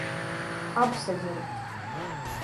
Apsajimt.